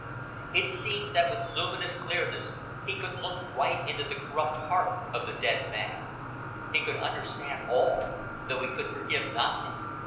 It seemed that with luminous clearness he could look right into the corrupt heart of the dead man. He could understand all, though he could forgive nothing.